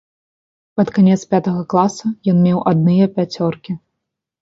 Пад канец пятага класа ён меў адныя пяцёркі.